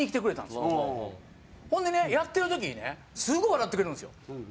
ほんでねやってる時にねすごい笑ってくれるんですよ。